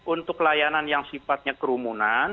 untuk layanan yang sifatnya kerumunan